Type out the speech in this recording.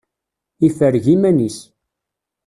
Ifreg iman-is.